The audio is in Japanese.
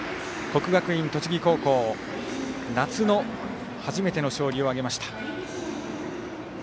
国学院栃木高校夏の初めての勝利を挙げました。